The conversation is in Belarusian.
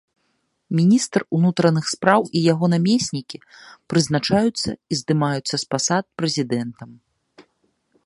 Міністр унутраных спраў і яго намеснікі прызначаюцца і здымаюцца з пасад прэзідэнтам.